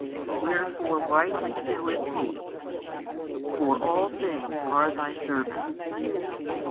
Wherefore rightly heareth He, For all things are Thy servants.